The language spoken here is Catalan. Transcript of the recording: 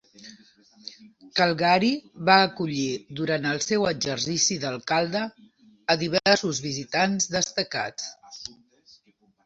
Calgary va acollir durant el seu exercici d'alcalde a diversos visitants destacats.